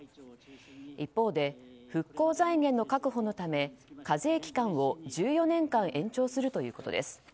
一方で復興財源の確保のため課税期間を１５年間延長するということです。